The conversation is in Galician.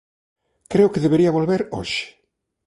Creo que debería volver hoxe.